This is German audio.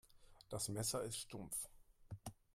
Das Messer ist stumpf.